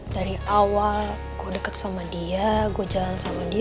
dari awal gue deket sama dia gue jalan sama dia